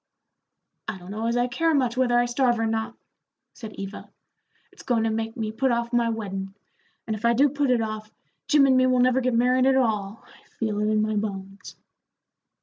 "I don't know as I care much whether I starve or not," said Eva. "It's goin' to make me put off my weddin'; and if I do put it off, Jim and me will never get married at all; I feel it in my bones."